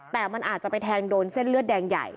แต่มันอาจจะไปแทงโดนเส้นเลือดแดงใหญ่